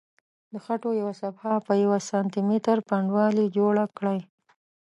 د خټو یوه صفحه په یوه سانتي متر پنډوالي جوړه کړئ.